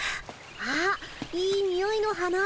あっいいにおいの花。